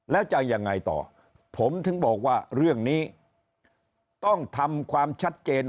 แล้วจะยังไงต่อผมถึงบอกว่าเรื่องนี้ต้องทำความชัดเจน